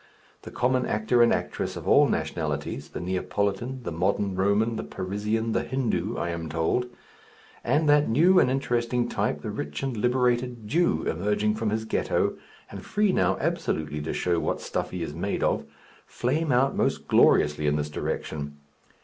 The common actor and actress of all nationalities, the Neapolitan, the modern Roman, the Parisian, the Hindoo, I am told, and that new and interesting type, the rich and liberated Jew emerging from his Ghetto and free now absolutely to show what stuff he is made of, flame out most gloriously in this direction.